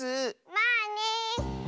まあね。